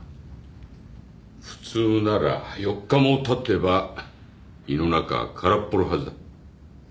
普通なら４日もたてば胃の中は空っぽのはずだ。